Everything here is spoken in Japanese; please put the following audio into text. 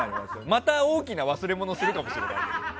また大きな忘れ物をするかもしれないけど。